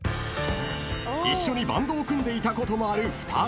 ［一緒にバンドを組んでいたこともある２人］